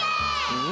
うん。